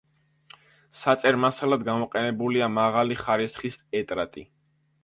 საწერ მასალად გამოყენებულია მაღალი ხარისხის ეტრატი.